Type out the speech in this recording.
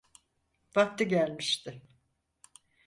Vakti gelmişti.